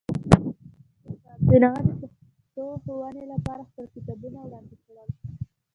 استاد بینوا د پښتو ښوونې لپاره خپل کتابونه وړاندې کړل.